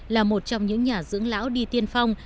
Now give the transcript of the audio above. là một trong những nhà dưỡng lão đi tiên phong